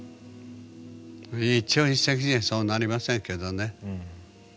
一朝一夕にはそうなりませんけどね。